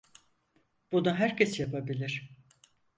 Bunu herkes yapabilir.